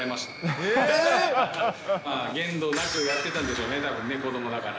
限度なくやってたんでしょうね、子どもだから。